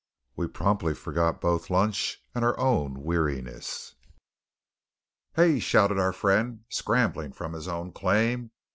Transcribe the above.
We promptly forgot both lunch and our own weariness. "Hey!" shouted our friend, scrambling from his own claim.